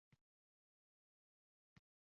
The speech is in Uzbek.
Etim jimirlab ketdi